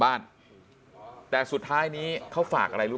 บ้านแต่สุดท้ายนี้เขาฝากอะไรรู้